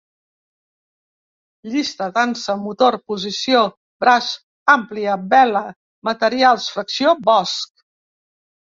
Llista: dansa, motor, posició, braç, àmplia, vela, materials, fracció, bosc